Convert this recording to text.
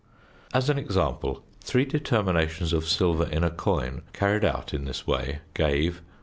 As an example, 3 determinations of silver in a coin carried out in this way gave: (1) 1.